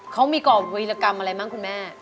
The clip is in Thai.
เขามีกรอบวีรกรรมอะไรมั้งคุณแม่